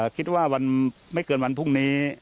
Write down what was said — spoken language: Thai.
คิดว่าวันไม่เกินวันพรุ่งนี้